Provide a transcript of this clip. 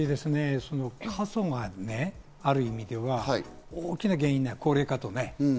過疎がある意味で大きな原因、高齢化とね。